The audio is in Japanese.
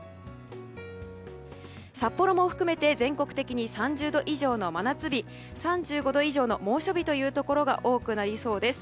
札幌も含めて全国的に３０度以上の真夏日３５度以上の猛暑日のところが多くなりそうです。